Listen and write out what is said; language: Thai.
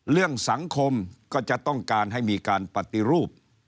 เรื่องสังคมก็จะต้องการให้มีการปฏิรูป